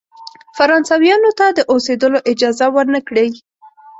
فرانسویانو ته د اوسېدلو اجازه ورنه کړی.